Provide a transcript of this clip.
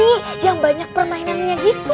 itu kan banyak permainannya gitu